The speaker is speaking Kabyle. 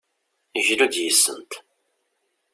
Glu-d yis-sent!